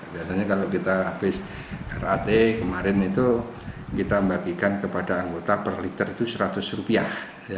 biasanya kalau kita habis rat kemarin itu kita membagikan kepada anggota per liter itu seratus rupiah